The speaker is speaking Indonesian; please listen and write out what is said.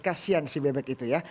kasian si bebek itu ya